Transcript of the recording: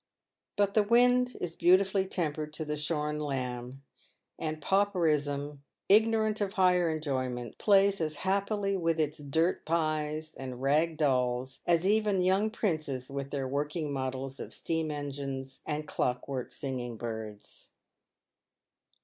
But the wind is beautifully tempered to the shorn lamb, and pauperism, ignorant of higher enjoyments, plays as happily with its " dirt pies" and "rag dolls" as even young princes with their work ing models of steam engines and clockwork singing birds.